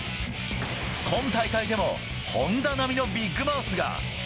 今大会でも本田並みのビッグマウスが。